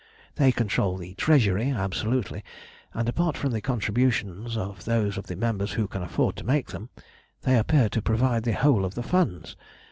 "They control the treasury absolutely, and apart from the contributions of those of the members who can afford to make them, they appear to provide the whole of the funds.